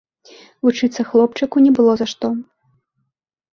Вучыцца хлопчыку не было за што.